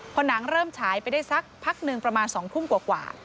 พอหนังเริ่มฉายไปได้สักพักหนึ่งประมาณ๒ทุ่มกว่า